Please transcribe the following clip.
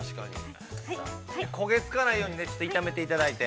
◆焦げつかないように、炒めていただいて。